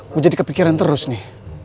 gue jadi kepikiran terus nih